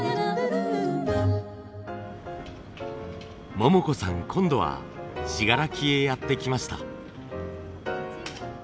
桃子さん今度は信楽へやって来ました。